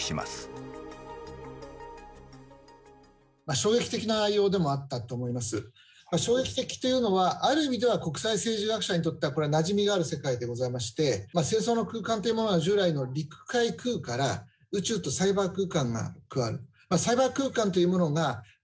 衝撃的というのはある意味では国際政治学者にとってはこれなじみがある世界でございまして戦争の空間というものは従来の陸海空から宇宙とサイバー空間が加わる。